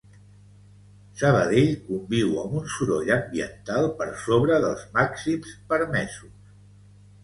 Sabadell conviu amb un soroll ambiental per sobre dels màxims permesos